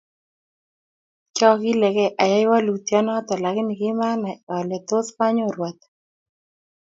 Kiakilkei ayai walutiet noto lakini kimanai ale tos anyoru ata